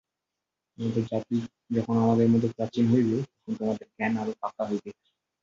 তোমাদের জাতি যখন আমাদের মত প্রাচীন হইবে, তখন তোমাদের জ্ঞান আরও পাকা হইবে।